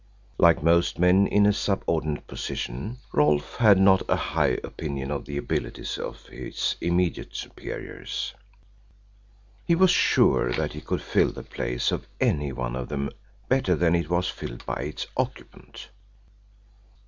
Like most men in a subordinate position, Rolfe had not a high opinion of the abilities of his immediate superiors. He was sure that he could fill the place of any one of them better than it was filled by its occupant.